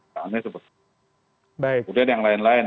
kemudian yang lain lain